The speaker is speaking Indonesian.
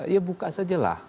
ya buka saja lah